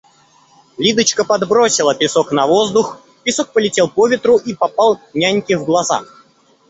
Лидочка подбросила песок на воздух, песок полетел по ветру и попал няньке в глаза.